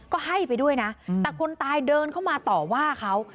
ก็ให้ไปด้วยนะแต่คนตายเดินเข้ามาต่อว่าเขา